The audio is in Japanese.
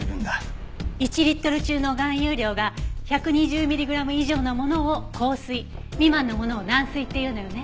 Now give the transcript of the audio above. １リットル中の含有量が１２０ミリグラム以上のものを硬水未満のものを軟水って言うのよね。